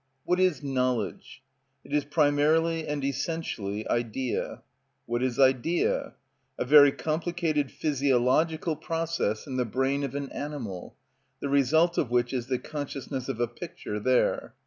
What is knowledge? It is primarily and essentially idea. What is idea? A very complicated physiological process in the brain of an animal, the result of which is the consciousness of a picture there.